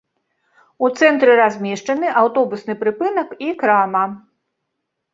У цэнтры размешчаны аўтобусны прыпынак і крама.